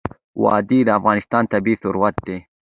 وادي د افغانستان طبعي ثروت دی.